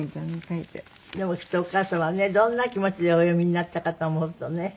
でもきっとお母様はねどんな気持ちでお読みになったかと思うとね。